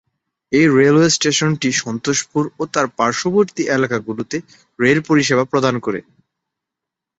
এই রেলওয়ে স্টেশনটি সন্তোষপুর ও তার পার্শ্ববর্তী এলাকাগুলিতে রেল পরিষেবা প্রদান করে।